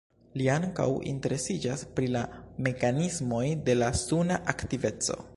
Li ankaŭ interesiĝas pri la mekanismoj de la suna aktiveco.